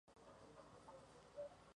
Un movimiento solemne y melancólico.